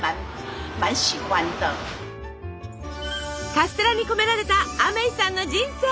カステラに込められたアメイさんの人生。